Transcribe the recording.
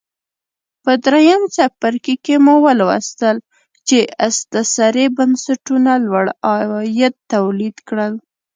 په درېیم څپرکي کې مو ولوستل چې استثري بنسټونو لوړ عواید تولید کړل